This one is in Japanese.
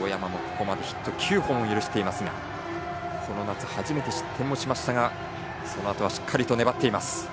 當山もここまでヒット９本を許していますがこの夏、初めて失点もしましたがそのあとはしっかりと粘っています。